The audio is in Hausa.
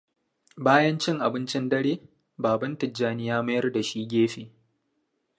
Bayan cin abincin dare, baban Tijjani ya mayar da shi gefe.